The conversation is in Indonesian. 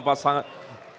pasangan calon presiden